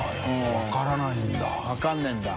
笋辰分からないんだ。